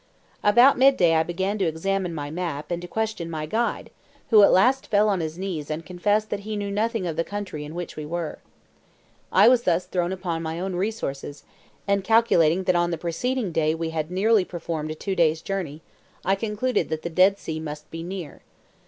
About midday I began to examine my map and to question my guide, who at last fell on his knees and confessed that he knew nothing of the country in which we were. I was thus thrown upon my own resources, and calculating that on the preceding day we had nearly performed a two days' journey, I concluded that the Dead Sea must be near.